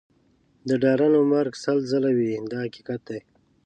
د ډارنو مرګ سل ځله وي دا حقیقت دی.